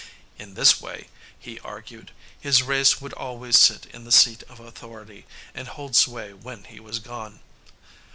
In this way, he argued, his race would always sit in the seat of authority, and hold sway when he was gone.